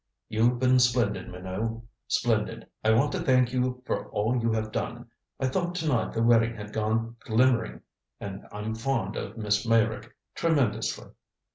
You've been splendid, Minot, splendid. I want to thank you for all you have done. I thought to night the wedding had gone glimmering. And I'm fond of Miss Meyrick. Tremendously."